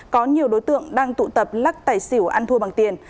có nhiều đối tượng đang tụ tập lắc tài xỉu ăn thua bằng tiền